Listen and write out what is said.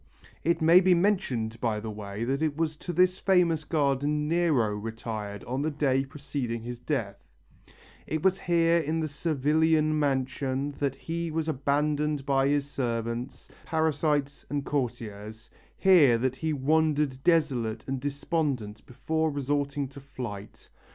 It may be mentioned, by the way, that it was to this famous garden Nero retired on the day preceding his death, it was here in the Servilian mansion that he was abandoned by his servants, parasites and courtiers, here that he wandered desolate and despondent before resorting to flight.